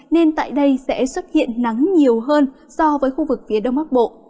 nên tại đây sẽ xuất hiện nắng nhiều hơn so với khu vực phía đông bắc bộ